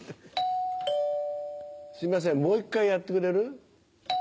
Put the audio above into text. すいませんもう一回やってくれる？